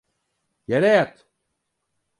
Yere yat!